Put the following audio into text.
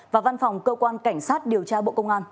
và văn phòng cơ quan cảnh sát điều tra bộ công an